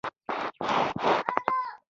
دا ټیکنالوژي وروسته کولی شي